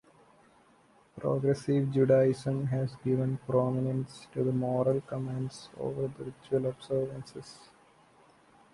Progressive Judaism has given prominence to the moral commands over the ritual observances.